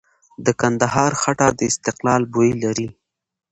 د کندهار خټه د استقلال بوی لري.